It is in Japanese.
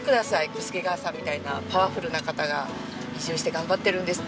小助川さんみたいなパワフルな方が移住して頑張ってるんです！